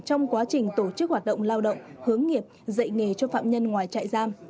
trong quá trình tổ chức hoạt động lao động hướng nghiệp dạy nghề cho phạm nhân ngoài trại giam